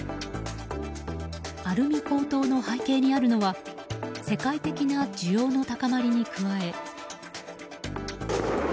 アルミ高騰の背景にあるのは世界的な需要の高まりに加え。